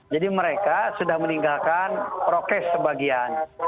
jadi mereka sudah meninggalkan rokes sebagian